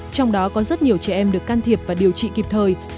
trong đó có rất nhiều trẻ em được can thiệp và điều trị kịp thời